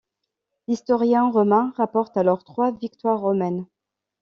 L'historien romain rapporte alors trois victoires romaines.